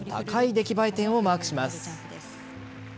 出来栄え点をマークします。